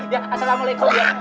ya assalamualaikum ya